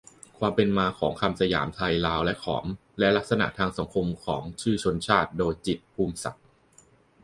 ความเป็นมาของคำสยาม ไทย ลาว และขอม และลักษณะทางสังคมของชื่อชนชาติ. โดย จิตร ภูมิศักดิ์.